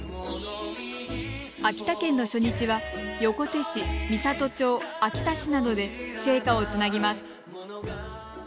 秋田県の初日は横手市美郷町秋田市などで聖火をつなぎます。